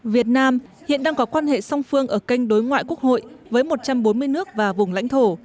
việt nam hiện đang có quan hệ song phương ở kênh đối ngoại quốc hội với một trăm bốn mươi nước và vùng lãnh thổ